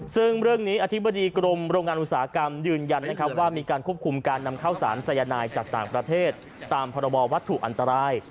ซึ่งเรื่องนี้อธิบดีกรมโรงงานอุตสาหกรรมยืนยันนะครับว่ามีการควบคุมการนำเข้าสารสายนายจากต่างประเทศตามพรบวัตถุอันตราย